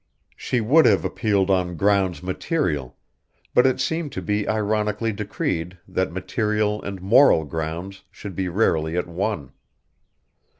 She would have appealed on grounds material, but it seemed to be ironically decreed that material and moral grounds should be rarely at one.